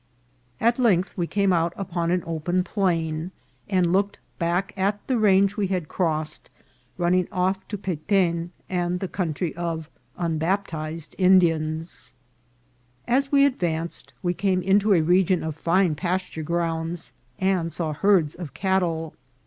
At length we came out upon an open plain, and looked back at the range we had crossed, running off to Peten and the country of unbaptized Indians. As we advanced we came into a region of fine pas ture grounds, and saw herds of cattle.